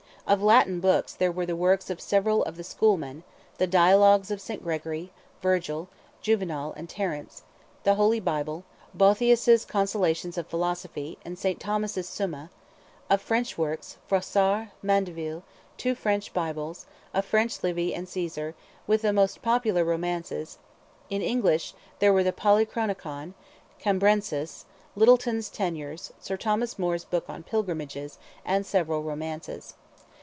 Of Latin books, there were the works of several of the schoolmen, the dialogues of St. Gregory, Virgil, Juvenal, and Terence; the Holy Bible; Boethius' Consolations of Philosophy, and Saint Thomas's Summa; of French works, Froissart, Mandeville, two French Bibles, a French Livy and Caesar, with the most popular romances; in English, there were the Polychronicon, Cambrensis, Lyttleton's Tenures, Sir Thomas More's book on Pilgrimages, and several romances.